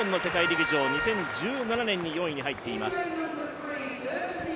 陸上２０１７年に４位に入っています。